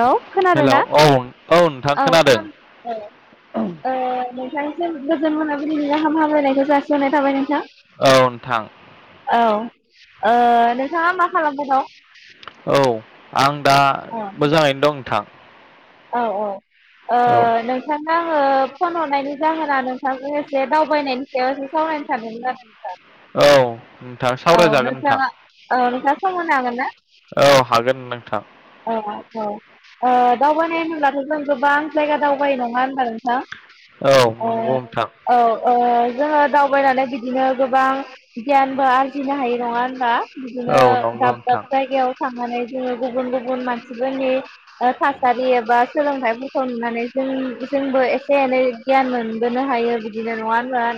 औ खोनादों हेलौ ना औ औ खोनादों औ ओ नोंथां गोजोन मोनाबिलिनि गाहाम हामलायनायखौ जासिहनाय थाबाय नोंथां। औ नोंथां औ ओ नोंथाङा मा खालामबाय दं? औ आं दा औ मोजाङैनो दं नोंथां दा औ औ ओ औ नोंथाङा आङो फन हरनायनि जाहोना नोंथांजों एसे दावबायनायनि सायाव एसे सावरायनो सानदोंमोन आरो नोंथां। औ नोंथां औ सावरायजागोन नोंथां नोंथाङा औ नोंथाङा सम होनो हागोन ना? औ हागोन नोंथां। अ दावबायनाय होनोबब्लाथ' जों गोबां जायगा दावबायो नङा होनबा नोंथां? औ ओ नंगौ नोंथां औ ओ जोङो दावबायनानै बिदिनो गोबां गियानबो आरजिनो हायो नङा होनबा? बिदिनो औ नंगौ दाब दाब नोंथां जायगायाव थांनानै जोङो गुबुन गुबुन मानसि जोंनि [unintelligible] [unintelligible] एबा सोलोंथाइ [unintelligible] जों जोंबो एसे एनै गियान मोनबोनो हायो बिदिनो नङा होनबा?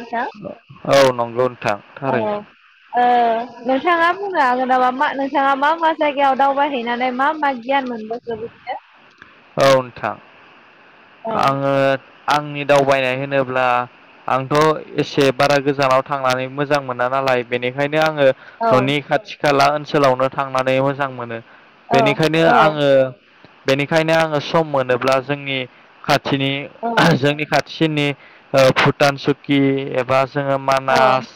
[unintelligible] औ औ नंगौ नोंथां थारैनो ओ नोंथाङा बुंनो हागोन नामा? मा नोंथाङा मा मा जायगायाव दावबायहैनानै मा मा गियान मोनबोखो बिदिनो? औ नोंथां। औ आङो आंनि दावबायनाय होनोब्ला आंथ' एसे बारा गोजानाव थांनानै मोजां मोना नालाय बेनिखायनो आङो औ न'नि खाथि खोला ओनसोलावनो थांनानै मोजां मोनो औ बेनिखायनो औ आं बेनिखायनो आङो सम मोनोब्ला जोंनि खाथि औ [unintelligible] जोंनि खाथि सिनि भुटान सुकि एबा जोङो मानास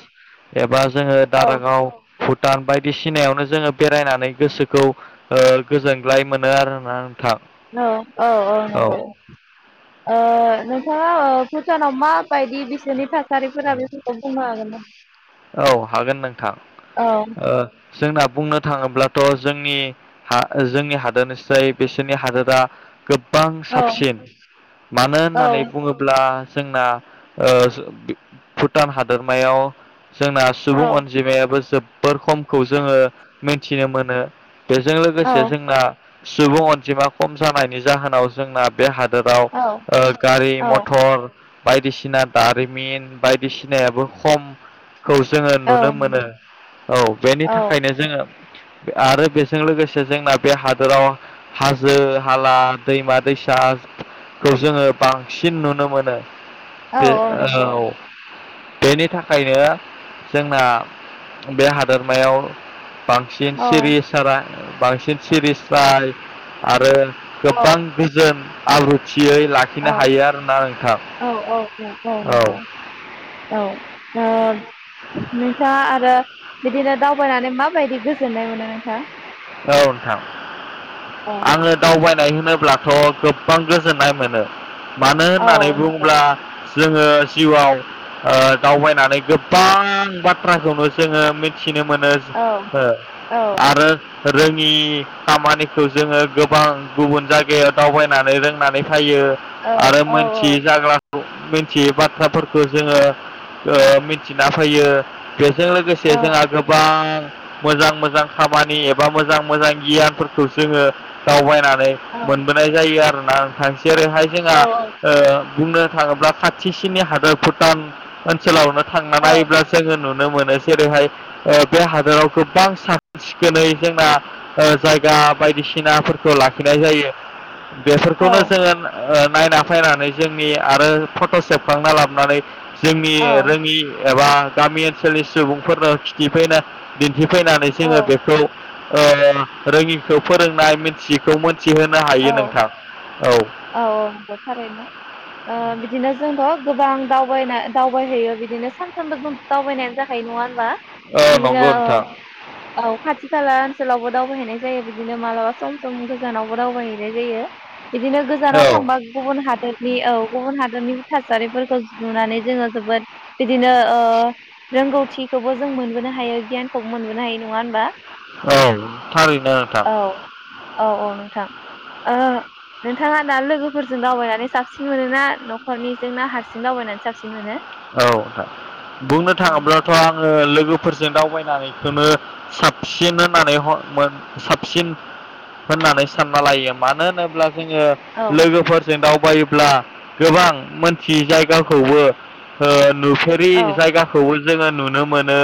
एबा जोङो औ दारागाव भुटान बायदिसिनायावनो जोङो बेरायनानै गोसोखौ ओ गोजोन [unintelligible] मोनो आरो ना नोंथां। औ औ औ नंगौ ओ नोंथांङा भुटानाव माबायदि बिसोरनि थाखाय [unintelligible] औ हागोन नोंथां औ ओ जोंना बुंनो थाङोब्लाथ' जोंनि जोंनि हादोरनिसाय बिसोरनि हादोरा गोबां औ साबसिन मानो औ होननानै बुङोब्ला जोंना ओ भुटान हादोरमायाव जोंना सुबुं औ अनजिमायाबो जोब बोर खमखौ जोङो मिथिनो मोनो। बेजों लोगोसे औ जोंना सुबुं अनजिमा खम जानायनि जाहोनाव जोंना बे हादोर। हादोराव औ ओ गारि औ मथर बायदिसिना दारिमिन बायदिसिनायाबो खम। खौ जोङो औ नुनो मोनो औ बेनि थाखायनो जोङो। आरो बेजों लोगोसे जोंना बे हादराव हाजो हाला दैमा दैसाखौ जोङो बांसिन नुनो मोनो। औ औ नंगौ। बेनि थाखायनो। जोंना बे हादोरमायाव। बांसिन औ सिरिसारा। बांसिन स्रि स्राय आरो। औ गोबां गोजोन। आब्रु। औ औ औ औ औ नंगौ औ। नोंथाङा आरो बिदिनो दावबायनानै माबायदि गोजोननाय मोनो नोंथाङा। औ नोंथां आङो दावबायनाय। नाय होनोब्लाथ' गोबां गोजोननाय मोनो। मानो औ होननानै नंगौ बुङोब्ला। जोङो जिउआव दावबायनानै गोबां बाथ्राखौनो जोङो। मिथिनो मोनो औ औ आरो। रोङि खामानिखौ जोङो गोबां गुबुन जायगायाव दावबायनानै रोंनानै। फैयो औ आरो औ मोनथियै जागा। मिथियै बाथ्राफोरखौ जोङो मिथिना फैयो बे। जों लोगोसे औ जोंहा गोबां। मोजां मोजां खामानि एबा। मोजां मोजां गियानफोरखौ जोङो दावबायनानै। औ मोनबोनाय जायो आरो। [unintelligible] जेरैहाय ओ जोंहा औ नंगौ बुंनो। थाङोब्ला खाथिसिनि हादोर भुटान ओनसोलावनो। थांनान औ नायोब्ला जोङो नुदों। नुनो मोनो जेरैहाय बे हादोराव गोबां साखोन सिखोनै। जोंना जायगा बायदिसिनाफोरखौ लाखिनाय जायो। बेफोरखौनो औ जोङो नायना फैनानै जोंनि आरो फट' सेबखांना लाबोनानै। जोंनि औ रोङि एबा गामि ओनसोलनि सुबुंफोरनो खिथिफैनो दि न्थिफैनानै जोंङो औ बेखौ ओ रोंङिखौ फोरोंनाय मिथियैखौ मोन औ औ औ नंगौ थारैनो बिदिनो जोंङो गोबां दावबायनाय दावबायहैयो बिदिनो सानफ्रामबो जों दावबायनायानो जाखायो नङा होनबा बिदिनो नंगौ औ नोंथां औ खाथि खाला ओनसोलावबो दावबायहैनाय जायो बिदिनो मालाबा सम सम गोजानाव बो दावबायहैनाय जायो बिदिनो गोजानाव औ थांबा गुबुन हादोर नि औ गुबुन हादरनिबो थासारिफोरखौ नुनानै जोंङो जोबोद बिदिनो ओ रोंगौथिखौबो जों मोनबोनो हायो गियान खौ मोनबोनो हायो नंङा होनबा औ थारैनो नोंथां [inaudible] औ औ औ नोंथां नोंथाङा दा लोगोफोरजों दावबायनानै साबसिन मोनोना नखरनिजों ना हारसिं दावबायनानै साबसिन मोनो औ बुंनो औ थाङोब्लाथ आंङो लोगोफोरजों दावबाय साबसिन होननानै साबसिन होननानै सानना लायो मानो होनोब्ला जोंङो औ लोगोफोरजों दाउ ब्ला गोबां मोनथि जायगाखौबो [inaudible] नुफेरि औ जायगाखौ जोंङो नुनो मोनो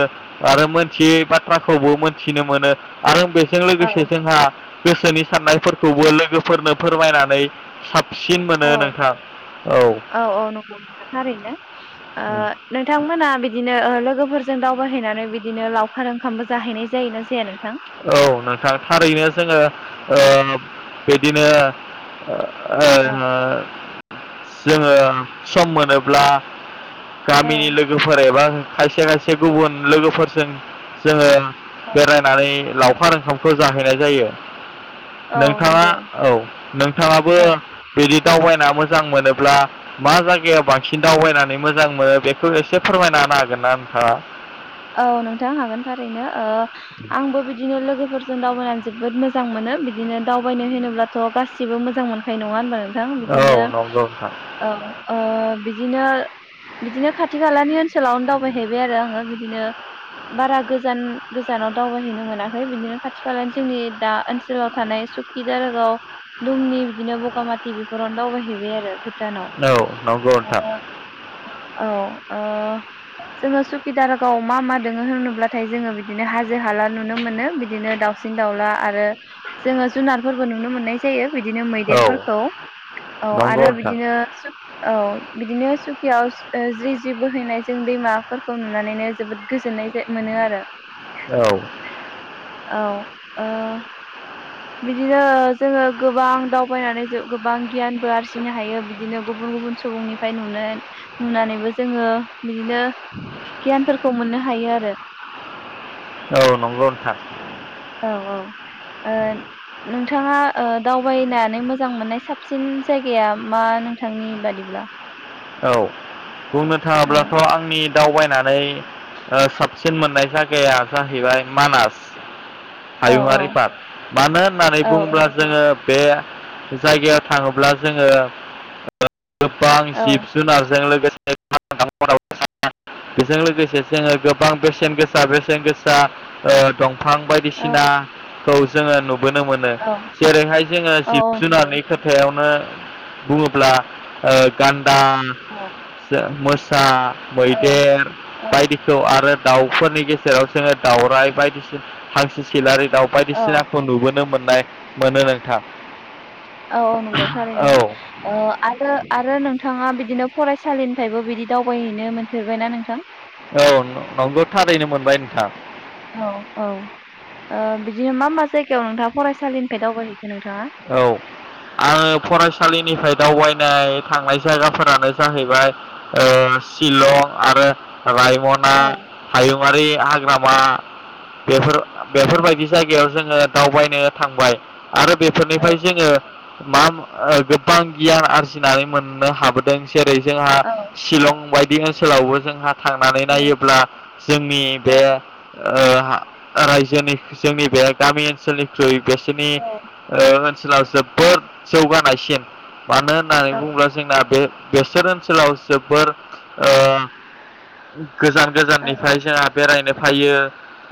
आरो मोनथियै बाथ्राखौबो मोनथिनो मोनो आरो बे जों लोगोसे औ जोंहा गोसोनि साननायफोरखौबो लोगोफोरनो फोरमायनानै सिन मोनो औ नोंथां औ औ नंगौ नोंथां थारैनो ओ नोंथांमोना बिदिनो बिदिनो लोगोफोरजों दावबायहैनानै बिदिनो लावखार ओंखामबो जाहैनाय जायो ना जाया नोंथां औ नोंथां थारैनो जोंङो बिदिनो ओ औ जोंङो सम मोनोब्ला औ गामिनि लोगोफोर एबा खायसे खायसे गुबुन लोगोफोरजों जोंङो बेेराय नानै लावखार ओंखामखौ जाहैनाय जायो औ नोंथाङा नंगौ औ नोंथाङाबो औ बिदि दावबायना मोजां मोनोब्ला मा जायगायाव बांसिन दावबायनानै मोजां मोनो बेखौ एसे फोरमायना हागोन ना नोंथाङा औ नोंथां हागोन थारैनो आंबो बिदिनो लोगो लोगोफोरजों दावबायनानै जोबोद मोजां मोनो बिदिनो दावबायनो होनोब्लाथ' गासिबो मोजां मोनखायो नङा होनबानो थां बिदिनो हागोन बिदिनो खाथि खालानि सोलाव दावबायहैबाय आरो आङो बि नो बारा गोजान गोजानाव दावबायहैनो मोनाखै बिदिनो खाथि खाला जोंनि दा ओनसोलाव थानाय सुक्खि दारगाव दुमनि बिदिनो बगामाथि बेफोरावनो दावबायहैबाय आरो दानाव ना नोंथाङा आरो औ ओ जोङो सुखिदार गाव मा मा दोङो होनोब्लाथाय जोङो बिदिनो हाजो हाला नुनो मोनो बिदिनो दाउसिन दाउला आरो जोङो जुनारफोरबो नुनो मोननाय जायो बिदिनो औ मैदेरफोरखौ औ आरो नंगौ नोंथां नंगौ नोंथां बिदिनो औ बिदिनो सुखियाव ओ जि जि बोहैनाय जों दैमाफोरखौ नुनानैनो जोबोद गोजोन्नाय जे मोनो आरो औ ओ [inaudible] बिदिनो जोङो गोबां दावबायनानै जो गोबां गियानबो आरजिनो हायो बिदिनो गुबुन गुबुन सुबुंनिफ्राय नुनो नुनानैबो जोङो बिदिनो गियानफोरखौ मोनो हा हायो आरो औ नंगौ नोंथां औ औ ओ नोंथाङा ओ दावबायनानै मोजां मोननाय साबसिन जायगाया मा नोंथांनि बादिब्ला औ बुंनो औ थाङाब्लाथ आंनि दावबायनानै ओ साबसिन मोननाय जागाया जाहैबाय मानास औ हायुङारि पार्क मानो होननानै औ बुङोब्ला जोङो बे जायगायाव थाङोब्ला जोङो गोबां औ जिब जुनारजों लोगोसे [unintelligible] बेजों लोगोसे जोङो गोबां बेसेन गोसा बेसेन गोसा ओ‌ दं फां औ बायदिसिना खौ जोङो नुबो बोनो मोनो औ जेरैहाय जोङो औ जिब नंगौ जुनारनि खोथायावनो बुङोब्ला ओ गान दा औ जों‌ [unintelligible] सा मै औ देर औ बायदिखौ आरो दाउफोरनि गेजेराव जोङो दाउराय बायदिसिन हांसो सिलारि दाउ औ बायदिसिनाखौ नुबोनो मोन‌ नाय मोनो नोंथां। औ औ नंगौ औ थारैनो ओ आरो आरो नोंथाङा बिदिनो फरायसालिनिफायबो बिदि दावबायहैनो मोनफेरबायना नोंथां? औ नंगौ थारैनो मोनबाय नोंथां। औ औ ओ बिदिनो मा मा जायगायाव नोंथाङा फरायसालिनिफाय दावबायहै औ‌ आङो फरायसालिनिफ्राय दावबायनाय थांनाय जायगाफोरानो जाहैबाय ओ‌ शिलं आरो रायमना औ हायुं बारि हाग्रामा बेफोर औ बेफोर बायदि जायगायाव जोङो दावबायनो थांबाय आरो बेफोरनिफ्राय औ जोङो मा ओ गोबां गियान आरजिनानै मोननो हाबोदों। जेरै जोंहा औ शिलं बायद बे ओनसोलावबो जोंहा थांनानै नायोब्ला जोंनि औ बे ओ रायजोनि जोंनि बे गामि ओनसोलनिख्रुइ नोंसोनि ओ ओनसोलाव जोबोद जौगानायसिन मानो होननानै औ बुङोब्ला जोंना बे बेसोर ओनसोलाव जोबोर ओ गोजान औ गोजाननिफ्राय जोंहा बेरायनो फैयो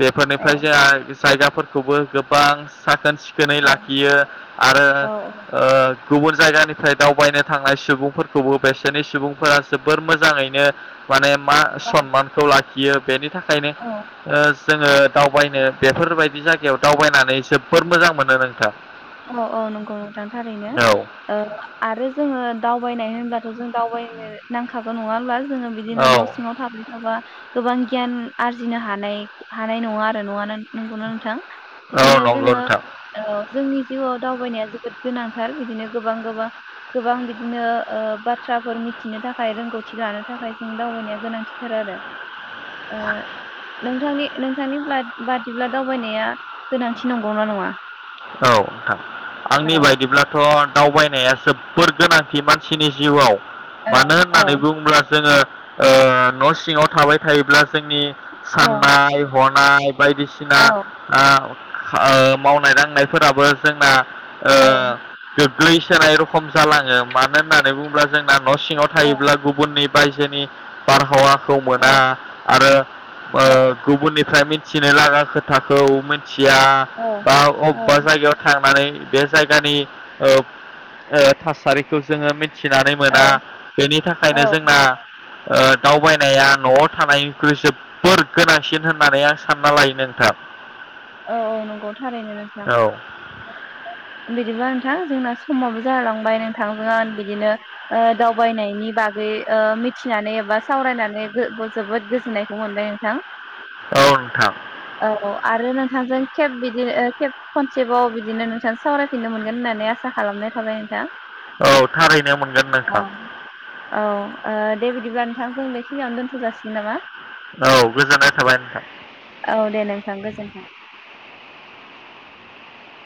बेफोरनिफ्राय जा जायगाफोरखौबो गोबां साखोन-सिख खोनै लाख यो आरो औ ओ गुबुन जायगानिफ्राय दावबायनो थांनाय सुबुंफोरखौबो बेसोरनि सुबुंफोरा जोबोर मोजाङैनो माने मा औ सनमानखौ लाख खियो बेनि थाखायनो औ ओ जोङो दावबायनो बेफोरबायदि जायगायाव दावबायनानै जोबोर मोजां मोनो नोंथां औ औ नंगौ नोंथां थारैनो औ ओ आरो जोङो दावबायनाय हो होनब्लाथ' जों दावबायनो नांखागौ नङा होमब्ला जोङो बिदिनो औ न' सिङाव थाबाय थाबा गोबां गियान आरजिनो हानाय हानाय नङा आरो न'आनो नंगौना नोंथां औ बिदिनो नंगौ जोङो नोंथां ओ जोंनि दावबायनाय ओ जोबोद गोनांथार बिदिनो गोबां गोबां गोबां बिदिनो बाथ्राफोर मिथिनो थाखाय रोंगौथि लानो थाखाय जों दावबायनाया गोनांथिथार आरो ओ नोंथांनि नोंथांनि बाद बादिब्ला दावबायनाया गोनांथि नंगौना नङा औ नोंथां आंनि औ बायदिब्लाथ' दावबायनाया जोबोर गोनांथि मानसिनि जिउआव औ मानो होननानै औ बुङोब्ला जोङो ओ न' सिङाव थाबाय थायोब्ला जोंनि औ साननाय हनाय हनाय बायदिसिना औ आ ओ मावनाय दांनाय फोराबो जोंना ओ औ बे गोलैसोनाय रखम जालाङो मानो होननानै बुङोब्ला जोंना न' सिङाव औ थायोब्ला गुबुननि रायजोनि बारहावा खौ औ मोना आरो ओ औ गुबुननिफ्राय थिनो लागा खोथाखौ थिया औ बा अ बा जायगायाव था माने बे जायगानि ओ ओ थासारिखौ जोङो मिथिना फिसिनानै औ मोना बेनि थाखायनो औ जोंना ओ दावबायनाया न'आव थानायनिख्रुइ जोबोर गोनांसिन होननानै आं सानना लायो नोंथां औ औ नंगौ थारनो नोंथां औ बिदिबा नोंथां जोंना समाबाबो जालांबाय नोंथांजों आं बिदिनो ओ दावबायनायनि बागै ओ मिथिनानै एबा सावरायनानै जो- जोबोद गोजोननायखौ मोनबाय नोंथां। औ नोंथां औ औ आरो नों जों खेब बिदिनो खेब खनसेबाव बिदिनो नोंथां सावरायफिननो मोनगोन होननानै आसा खालामनाय थाबाय नोंथां। औ थारैनो मोनगोन औ नोंथां। औ ओ दे बिदिब्ला नोंथां जों बेखिनियावनो दोनथ'जासिगोन नामा? औ गोजोननाय थाबाय नोंथां। औ दे नोंथां गोजोन्थों